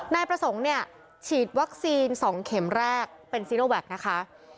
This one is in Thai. นายประสงค์เนี่ยฉีดวัคซีน๒เข็มแรกเป็นซีโนแวคนะคะ